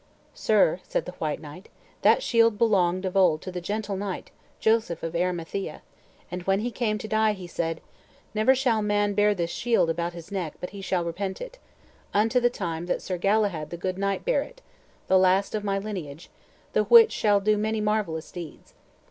"Sir," said the white knight, "that shield belonged of old to the gentle knight, Joseph of Arimathea; and when he came to die he said, 'Never shall man bear this shield about his neck but he shall repent it, unto the time that Sir Galahad the good knight bear it, the last of my lineage, the which shall do many marvellous deeds.'"